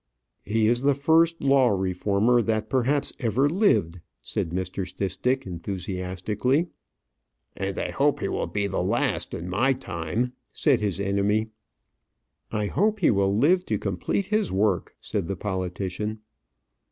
"He is the first law reformer that perhaps ever lived," said Mr. Stistick, enthusiastically. "And I hope will be the last in my time," said his enemy. "I hope he will live to complete his work," said the politician.